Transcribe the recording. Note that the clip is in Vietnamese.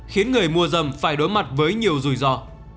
khiến người mua dầm phải đối mặt với nhiều rủi ro